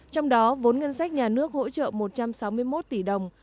trong đó vốn ngân sách nhà nước hỗ trợ một trăm sáu mươi một tỷ đồng